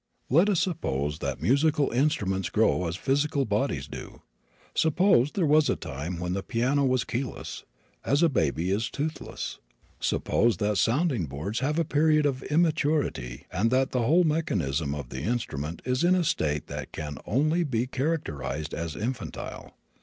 Let us suppose that musical instruments grow as physical bodies do. Suppose there was a time when the piano was keyless, as a baby is toothless. Suppose that sounding boards have a period of immaturity and that the whole mechanism of the instrument is in a state that can only be characterized as infantile.